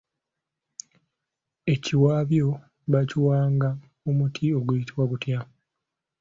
Ekiwabyo bakiwanga mu muti oguyitibwa gutya?